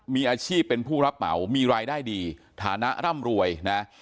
มีอาชีพเป็นผู้รับเหมามีรายได้ดีฐานะร่ำรวยนะ